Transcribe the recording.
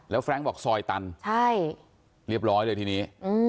แล้วแร้งบอกซอยตันใช่เรียบร้อยเลยทีนี้